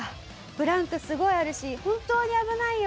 ブランクすごいあるし本当に危ないよ。